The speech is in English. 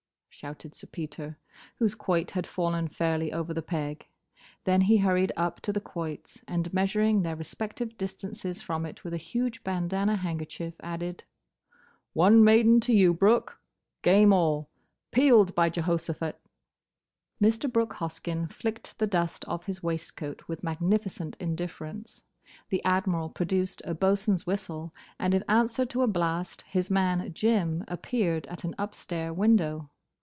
shouted Sir Peter, whose quoit had fallen fairly over the peg. Then he hurried up to the quoits, and, measuring their respective distances from it with a huge bandana handkerchief, added, "One maiden to you, Brooke! Game all! Peeled, by Jehoshaphat!" Mr. Brooke Hoskyn flicked the dust off his waistcoat with magnificent indifference. The Admiral produced a boatswain's whistle, and in answer to a blast, his man, Jim, appeared at an upstair window.